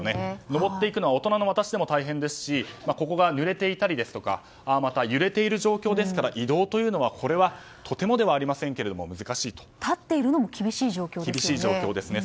上っていくのは大人の私でも大変ですしここがぬれていたり揺れている状況ですから移動は、とてもではありませんが立っているのも厳しいですね。